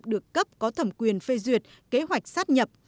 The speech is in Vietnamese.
được cấp có thẩm quyền phê duyệt kế hoạch sát nhập